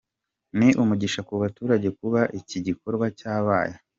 Ni umugisha ku baturage kuba iki gikorwa cyabaye.